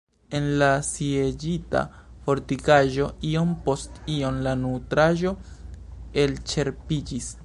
En la sieĝita fortikaĵo iom post iom la nutraĵo elĉerpiĝis.